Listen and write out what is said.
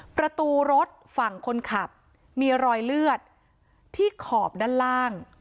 ประตูรถฝั่งคนขับมีรอยเลือดที่ขอบด้านล่าง